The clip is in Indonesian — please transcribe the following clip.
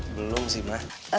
belum sih ma